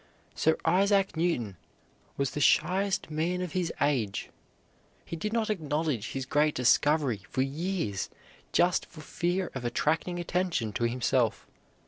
Sir Isaac Newton was the shyest man of his age. He did not acknowledge his great discovery for years just for fear of attracting attention to himself.